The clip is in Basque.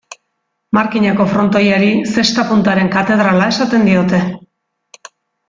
Markinako frontoiari, zesta-puntaren katedrala esaten diote.